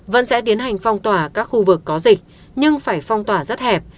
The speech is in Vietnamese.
vẫn sẽ tiến hành phong tỏa các khu vực có dịch nhưng phải phong tỏa rất hẹp